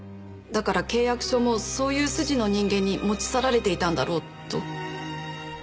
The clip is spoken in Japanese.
だから契約書もそういう筋の人間に持ち去られていたんだろうと。